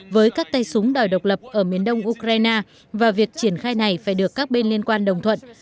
với các tay súng đòi độc lập ở miền đông ukraine và việc triển khai này phải được các bên liên quan đồng thuận